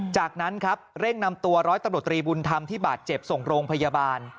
จากนั้นครับเร่งนำตัวร้อยตำรวจตรีบุญธรรมที่บาดเจ็บส่งโรงพยาบาล